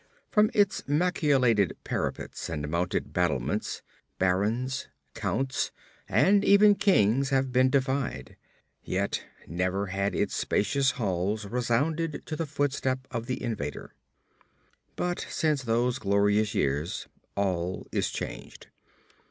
From its machicolated parapets and mounted battlements Barons, Counts, and even Kings had been defied, yet never had its spacious halls resounded to the footstep of the invader. But since those glorious years all is changed.